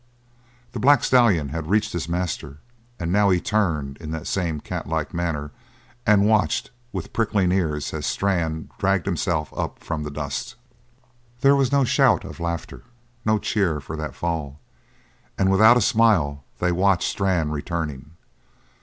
The black stallion had reached his master and now he turned, in that same catlike manner, and watched with pricking ears as Strann dragged himself up from the dust. There was no shout of laughter no cheer for that fall, and without a smile they watched Strann returning.